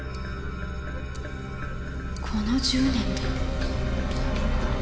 この１０年で。